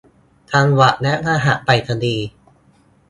จังหวัดและรหัสไปรษณีย์